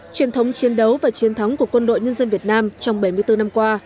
truyền thống chiến đấu và chiến thắng của quân đội nhân dân việt nam trong bảy mươi bốn năm qua